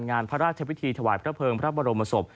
งานพระราชพิธีถวายพระเภิงพระบรมศพ